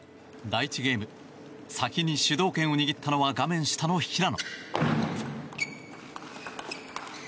第１ゲーム先に主導権を握ったのは画面下の平野。